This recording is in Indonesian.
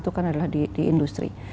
itu kan adalah di industri